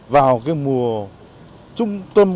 vào mùa trung tâm